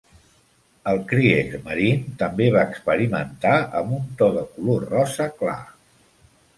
El Kriegsmarine també va experimentar amb un to de color rosa clar.